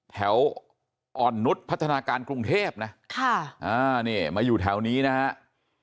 แถวอ่อนนุษย์พัฒนาการกรุงเทพนะนี่มาอยู่แถวนี้นะครับ